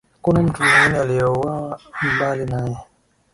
Hakuna mtu mwingine aliyeuawa mbali nae